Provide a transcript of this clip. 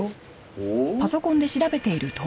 ほう？